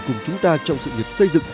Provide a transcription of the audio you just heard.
cùng chúng ta trong sự nghiệp xây dựng